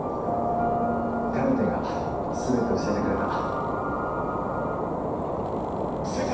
カルテが全て教えてくれた。